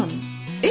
えっ？